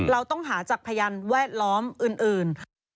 เราต้องหาจากพยานแวดล้อมอื่น